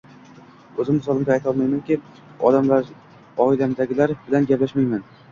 Oʻzim misolimda ayta olamanki, oilamdagilar bilan gaplashmayman